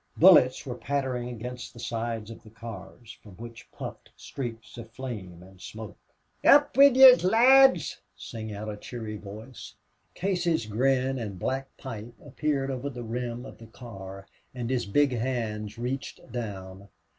Bullets were pattering against the sides of the cars, from which puffed streaks of flame and smoke. "Up wid yez, lads!" sang out a cheery voice. Casey's grin and black pipe appeared over the rim of the car, and his big hands reached down.